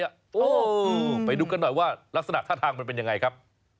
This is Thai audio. เออไปดูกันหน่อยว่ารักษณะท่าทางมันเป็นยังไงครับ